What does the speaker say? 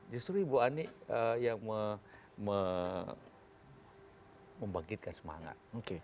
justru ibu ani yang membangkitkan semangat